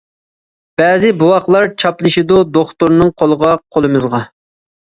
بەزى بوۋاقلار چاپلىشىدۇ دوختۇرنىڭ قولىغا قولىمىزغا.